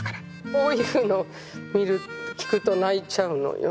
こういうの聞くと泣いちゃうのよ。